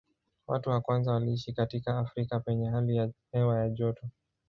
Watu wa kwanza waliishi katika Afrika penye hali ya hewa ya joto.